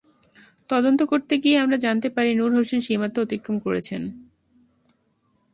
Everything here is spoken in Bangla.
তদন্ত করতে গিয়ে আমরা জানতে পারি নূর হোসেন সীমান্ত অতিক্রম করেছেন।